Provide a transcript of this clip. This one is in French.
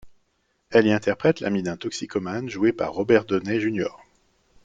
Elle y interprète l’ami d’un toxicomane joué par Robert Downey Jr.